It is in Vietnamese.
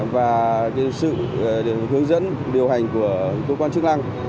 và sự hướng dẫn điều hành của cơ quan chức năng